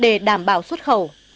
để đảm bảo xuất khẩu